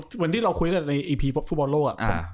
เหมือนที่เราคุยกันในอีพีฟุตบอลโลก